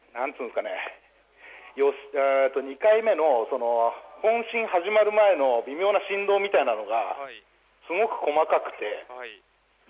２回目の本震始まる前の微妙な振動みたいなのがすごく細かくて。